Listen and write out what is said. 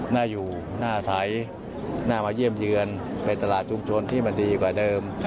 น่าอยู่หน้าใสน่ามาเยี่ยมเยือนเป็นตลาดชุมชนที่มันดีกว่าเดิม